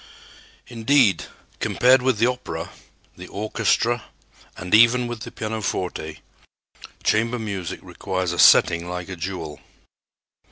Indeed, compared with the opera, the orchestra and even with the pianoforte, chamber music requires a setting like a jewel.